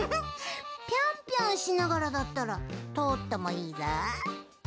ぴょんぴょんしながらだったらとおってもいいぞ。